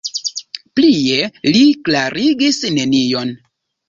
Plie li klarigis nenion.